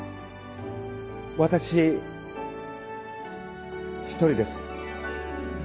私一人です。